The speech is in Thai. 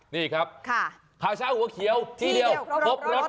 นี่ครับข่าวเช้าหัวเขียวที่เดียวพบรถ